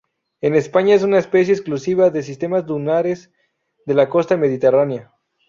En España, es una especie exclusiva de sistemas dunares de la costa mediterránea.